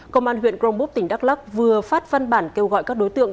công an huyện crongbuk tỉnh đắk lắc vừa phát văn bản kêu gọi các đối tượng